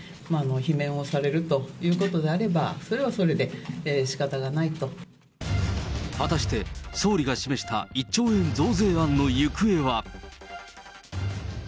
罷免をされるということであれば、果たして、総理が示した１兆円増税案の行方は。